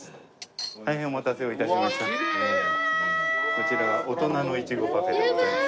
こちら大人の苺パフェでございます。